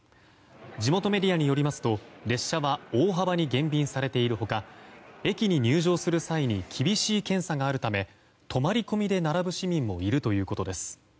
地元メディアによりますと列車は大幅に減便されている他駅に入場する際に厳しい検査があるため泊まり込みで並ぶ市民もいるということです。